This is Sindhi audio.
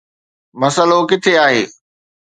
مسئلو ڪٿي آهي؟